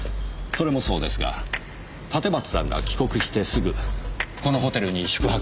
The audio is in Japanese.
それもそうですが立松さんが帰国してすぐこのホテルに宿泊した理由です。